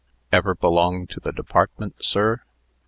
Ever belong to the department, sir?"